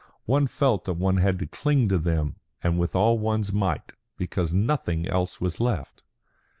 One felt that one had to cling to them and with all one's might, because nothing else was left."